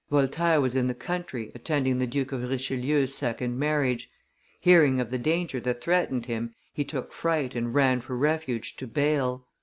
Voltaire was in the country, attending the Duke of Richelieu's second marriage; hearing of the danger that threatened him, he took fright and ran for refuge to Bale.